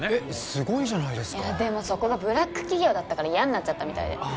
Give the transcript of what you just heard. すごいじゃないですかでもそこはブラック企業だったから嫌になっちゃったみたいでああ